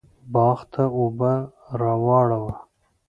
باغ ته اوبه راواړوه